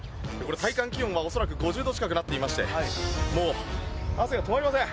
体感気温は５０度近くなっていましてもう汗が止まりません。